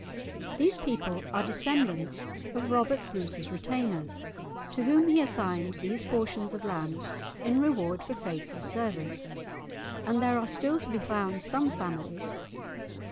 These people are descendants of Robert Bruce's retainers, to whom he assigned these portions of land in reward for faithful service, and there are still to be found some families (_e.